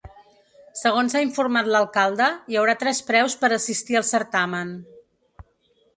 Segons ha informat l’alcalde, hi haurà tres preus per assistir al certamen.